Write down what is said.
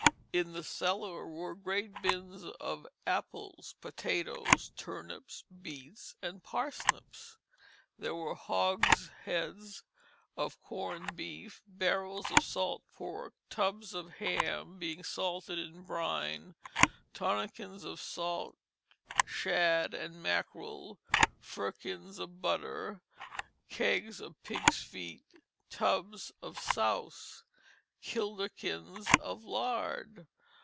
In the cellar were great bins of apples, potatoes, turnips, beets, and parsnips. There were hogsheads of corned beef, barrels of salt pork, tubs of hams being salted in brine, tonnekens of salt shad and mackerel, firkins of butter, kegs of pigs' feet, tubs of souse, kilderkins of lard.